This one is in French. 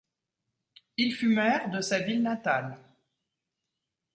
Il fut maire de sa ville natale.